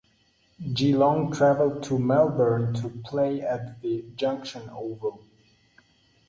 Geelong travelled to Melbourne to play at the Junction Oval.